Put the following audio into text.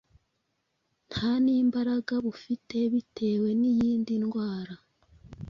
nta n’imbaraga bufite bitewe n’iyi ndwara